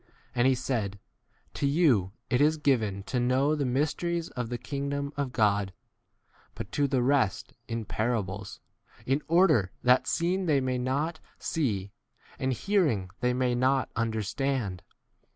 And he said, To you it is given to know the mysteries of the kingdom of God, but to the rest in parables, in order that seeing they may not see, and hearing they may not 11 understand.